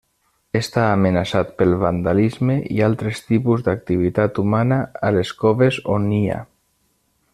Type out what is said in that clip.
Està amenaçat pel vandalisme i altres tipus d'activitat humana a les coves on nia.